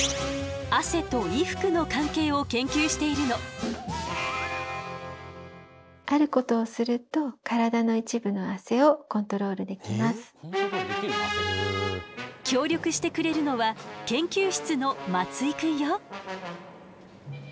汗と衣服の関係を研究しているの。協力してくれるのは研究室の松井くんよ。